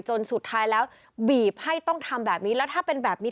จนสุดท้ายแล้วบีบให้ต้องทำแบบนี้แล้วถ้าเป็นแบบนี้